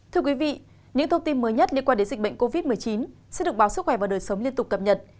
thưa quý vị những thông tin mới nhất liên quan đến dịch bệnh covid một mươi chín sẽ được báo sức khỏe và đời sống liên tục cập nhật